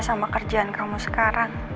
sama kerjaan kamu sekarang